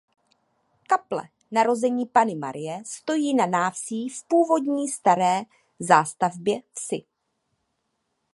Kaple Narození Panny Marie stojí na návsi v původní staré zástavbě vsi.